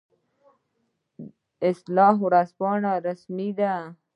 اصلاح ورځپاڼه رسمي ده